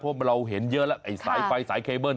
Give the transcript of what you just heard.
เพราะเราเห็นเยอะแล้วไอ้สายไฟสายเคเบิ้ล